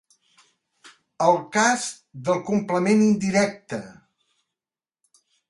El cas del complement indirecte.